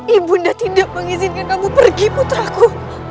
ibu bunda tidak mengizinkan kamu pergi puteraku